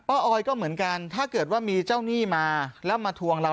ออยก็เหมือนกันถ้าเกิดว่ามีเจ้าหนี้มาแล้วมาทวงเรา